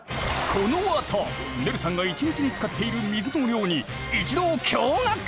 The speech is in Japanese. このあとねるさんが１日に使っている水の量に一同驚がく！